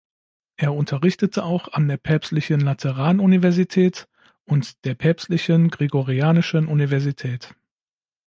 Er unterrichtete auch an der Päpstlichen Lateranuniversität und der Päpstlichen Gregorianischen Universität.